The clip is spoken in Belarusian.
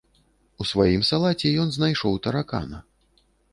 У сваім салаце ён знайшоў таракана.